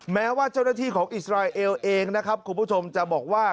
แม้ว่าเจ้าหน้าที่ของอิสราเอลเองนะครับคุณผู้ชมจะบอกว่า